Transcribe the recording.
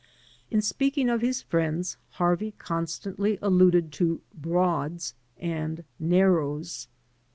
In speaking of his friends Harvey constantly alluded to "broads" and "narrows."